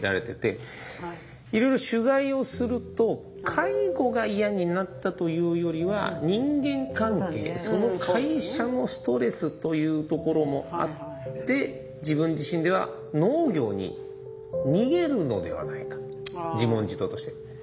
いろいろ取材をすると介護が嫌になったというよりは人間関係その会社のストレスというところもあって自分自身では農業に逃げるのではないか自問自答として。